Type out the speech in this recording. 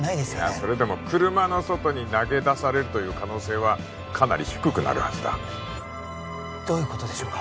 それでも車の外に投げ出されるという可能性はかなり低くなるはずだどういうことでしょうか？